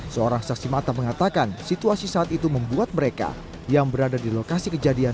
seorang saksi mata mengatakan situasi saat itu membuat mereka yang berada di lokasi kejadian